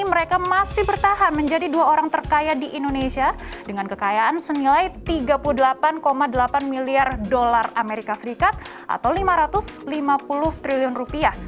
mereka masih bertahan menjadi dua orang terkaya di indonesia dengan kekayaan senilai tiga puluh delapan delapan miliar dolar amerika serikat atau lima ratus lima puluh triliun rupiah